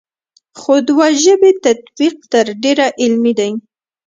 خو دوه ژبې تطبیق تر ډېره عملي دی ا